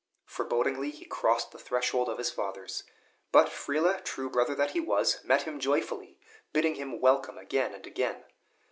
Forebodingly he crossed the threshold of his fathers; but Friele, true brother that he was, met him joyfully, bidding him welcome again and again.